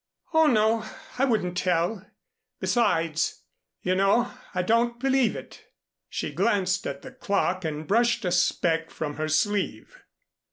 "Oh, no. I wouldn't tell. Besides you know I don't believe it." She glanced at the clock, and brushed a speck from her sleeve.